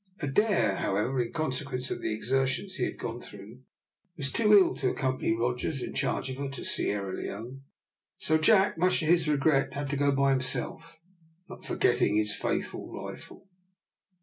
Adair, however, in consequence of the exertions he had gone through, was too ill to accompany Rogers in charge of her to Sierra Leone; and so Jack, much to his regret, had to go by himself, not forgetting his faithful rifle.